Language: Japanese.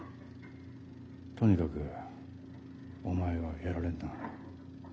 とにかくお前はやられんな。